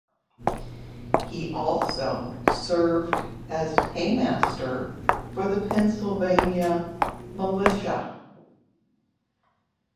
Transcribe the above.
He also served as paymaster for the Pennsylvania militia.